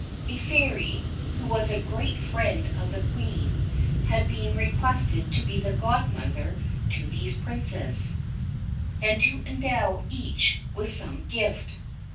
A Fairy, who was a great friend of the Queen, had been requested to be godmother to these Princes, and to endow each with some gift.